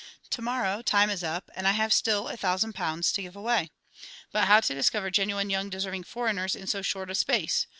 To morrow time is up, and I have still a thousand pounds to give away! But how to discover genuine young deserving foreigners in so short a space?